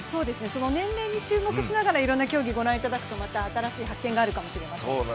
その年齢に注目しながら、いろんな興味を御覧になるとまた新しい発見があるかもしれません。